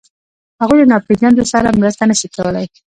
هغوی له ناپېژاندو سره مرسته نهشي کولی.